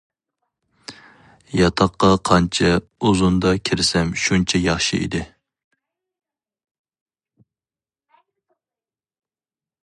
ياتاققا قانچە ئۇزۇندا كىرسەم شۇنچە ياخشى ئىدى.